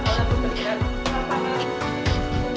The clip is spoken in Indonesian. aku tidak mau